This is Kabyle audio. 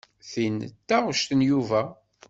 Tin d taɣect n Yuba.